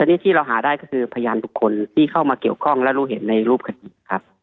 อันนี้ที่เราหาได้ก็คือพยานบุคคลที่เข้ามาเกี่ยวข้องและรู้เห็นในรูปคดีครับ